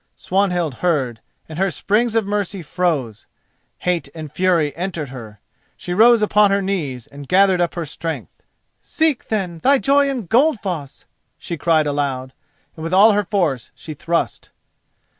Swanhild heard, and her springs of mercy froze. Hate and fury entered into her. She rose upon her knees and gathered up her strength: "Seek, then, thy joy in Goldfoss," she cried aloud, and with all her force she thrust.